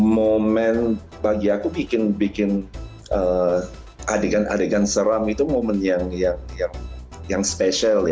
momen bagi aku bikin adegan adegan seram itu momen yang spesial